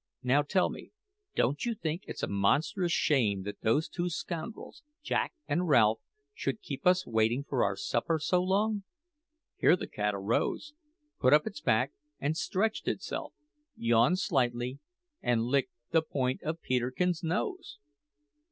Now tell me: don't you think it's a monstrous shame that those two scoundrels, Jack and Ralph, should keep us waiting for our supper so long?" Here the cat arose, put up its back and stretched itself, yawned slightly, and licked the point of Peterkin's nose!